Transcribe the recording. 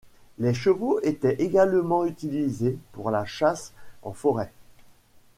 Les chevaux étaient également utilisés pour la chasse en forêt.